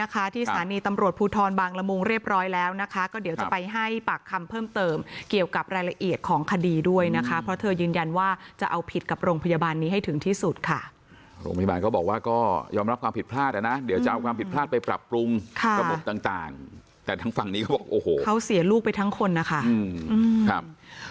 กับรายละเอียดของคดีด้วยนะคะเพราะเธอยืนยันว่าจะเอาผิดกับโรงพยาบาลนี้ให้ถึงที่สุดค่ะก็บอกว่าก็ยอมรับความผิดพลาดนะเดี๋ยวจะเอาความผิดพลาดไปปรับปรุงค่ะต่างแต่ทั้งฝั่งนี้เขาเสียลูกไปทั้งคนนะคะครับ